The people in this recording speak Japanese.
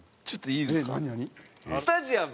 ちょっといいですか？